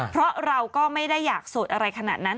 เพราะเราก็ไม่ได้อยากโสดอะไรขนาดนั้น